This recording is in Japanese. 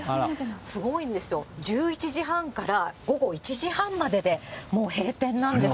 すごいんですよ、１１時半から午後１時半までで、もう閉店なんです。